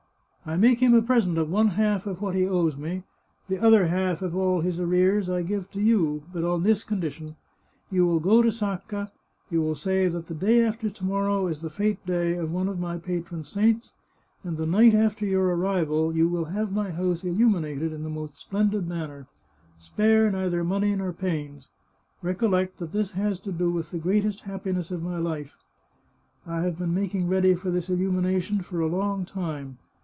I make him a present of one half of what he owes me ; the other 413 The Chartreuse of Parma half of all his arrears I give to you, but on this condition: You will go to Sacca, you will say that the day after to morrow is the fete day of one of my patron saints, and the night after your arrival you will have my house illuminated in the most splendid manner. Spare neither money nor pains. Recollect that this has to do with the greatest happi ness of my life. " I have been making ready for this illumination for a long time.